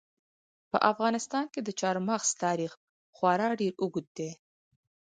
په افغانستان کې د چار مغز تاریخ خورا ډېر اوږد دی.